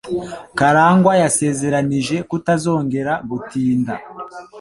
Karangwa yasezeranije kutazongera gutinda.